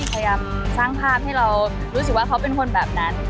พยายามสร้างภาพให้เรารู้สึกว่าเขาเป็นคนแบบนั้น